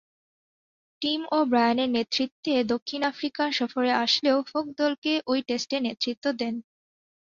Team ও’ব্রায়ানের নেতৃত্বে দক্ষিণ আফ্রিকা সফরে আসলেও হক দলকে ঐ টেস্টে নেতৃত্বে দেন।